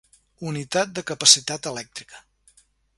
Unitat de capacitat elèctrica.